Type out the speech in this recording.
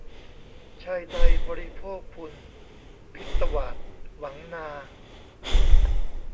ชายใดบริโภคภุญช์ พิศวาส หวังนา